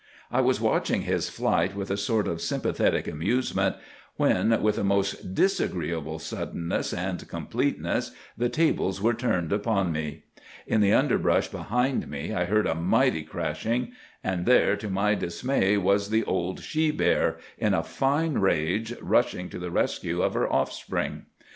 I was watching his flight with a sort of sympathetic amusement when, with a most disagreeable suddenness and completeness, the tables were turned upon me. In the underbrush behind me I heard a mighty crashing; and there to my dismay was the old she bear, in a fine rage, rushing to the rescue of her offspring.